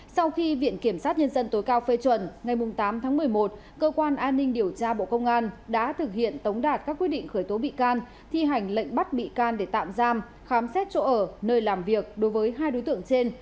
sau khi viện kiểm sát nhân dân tối cao phê chuẩn ngày tám tháng một mươi một cơ quan an ninh điều tra bộ công an đã thực hiện tống đạt các quyết định khởi tố bị can thi hành lệnh bắt bị can để tạm giam khám xét chỗ ở nơi làm việc đối với hai đối tượng trên